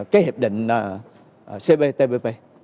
cái hiệp định cp tpp